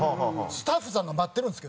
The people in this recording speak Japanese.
スタッフさんが待ってるんですけど